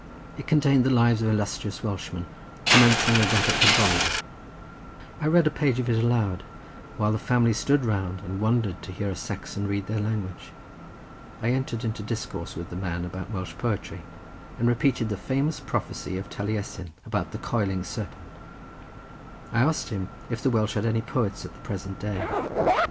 It contained the lives of illustrious Welshmen, commencing with that of Cadwalader. I read a page of it aloud, while the family stood round and wondered to hear a Saxon read their language. I entered into discourse with the man about Welsh poetry, and repeated the famous prophecy of Taliesin about the Coiling Serpent. I asked him if the Welsh had any poets at the present day.